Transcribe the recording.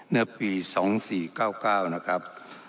ในปี๒๔๙๙นะครับ